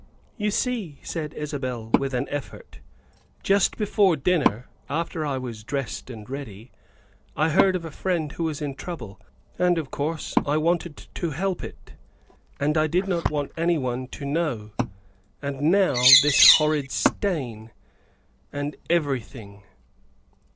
" You see," said Isabel with an effort, " just before dinner, after I was dressed and ready, I heard of a friend who who was in trouble, and, of course, I wanted to help it. And I did not want anyone to know. And now this horrid stain, and and every thing."